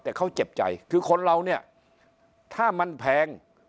แต่เขาเจ็บใจคือคนเราเนี่ยถ้ามันแพง